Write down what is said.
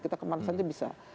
kita kemana saja bisa